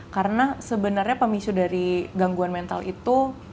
karena sebenarnya pemicu dari gangguan mental itu